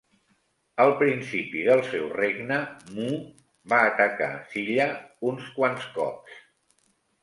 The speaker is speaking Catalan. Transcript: Al principi del seu regne, Mu va atacar Silla uns quants cops.